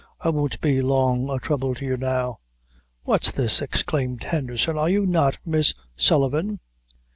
I won't be long a throuble to you now." "What's this!" exclaimed Henderson. "Are you not Miss Sullivan?"